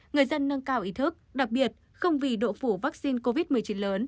người dân nâng cao ý thức đặc biệt không vì độ phủ vaccine covid một mươi chín lớn